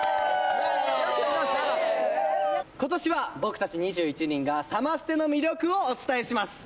今年は僕たち２１人がサマステの魅力をお伝えします。